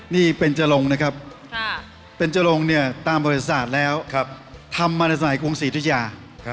นี่เป็นจรงนะครับเป็นจรงเนี่ยตามประวัติศาสตร์แล้วทำมาในสมัยกรุงศรีธุยา